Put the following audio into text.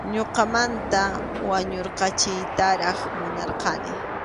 Ñuqamantaqa wañurqachiytaraq munarqani.